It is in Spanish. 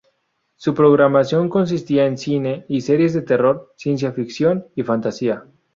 Su programación consistía en cine y series de terror, ciencia-ficción y fantasía.